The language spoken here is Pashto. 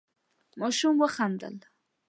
ماشوم وخندل.